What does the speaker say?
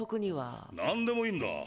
何でもいいんだ！